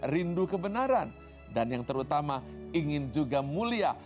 rindu kebenaran dan yang terutama ingin juga mulia